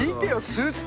スーツ。